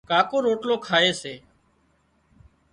ڪاڪو روٽلو کائي سي